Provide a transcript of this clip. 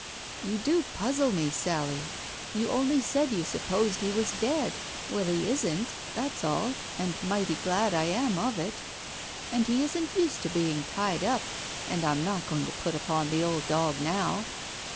"You do puzzle me, Sally. ... You only said you supposed he was dead. Well, he isn't, that's all, and mighty glad I am of it. And he isn't used to being tied up, and I'm not going to put upon the old dog now."